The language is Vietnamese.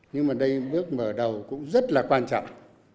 nhưng mà đây bước mở đầu cũng rất là quan trọng